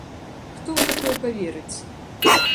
Хто ў такое паверыць?